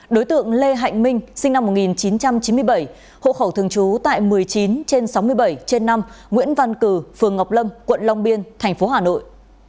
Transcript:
đối tượng lê hạnh minh sinh năm một nghìn chín trăm chín mươi bảy hộ khẩu thường trú tại một mươi chín trên sáu mươi bảy trên năm nguyễn văn cử phường ngọc lâm quận long biên thành phố hà nội